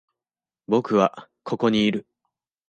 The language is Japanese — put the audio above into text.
僕はここにいる。